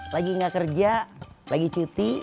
lagi nggak kerja lagi cuti